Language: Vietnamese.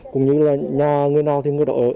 cũng như là nhà người nào thì người đó ở